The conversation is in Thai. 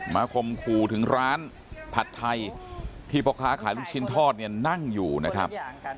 คมขู่ถึงร้านผัดไทยที่พ่อค้าขายลูกชิ้นทอดเนี่ยนั่งอยู่นะครับ